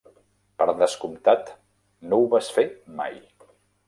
Per descomptat, no ho vas fer mai.